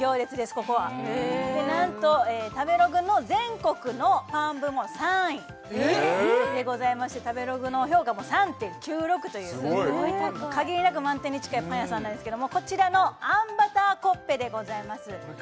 ここはなんと食べログの全国のパン部門３位でございまして食べログの評価も３．９６という限りなく満点に近いパン屋さんなんですけれどもこちらのあんバターコッペでございます